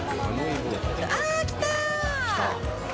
あ、来た。